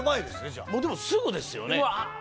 でもすぐですよね。